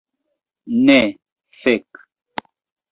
Ne, fek'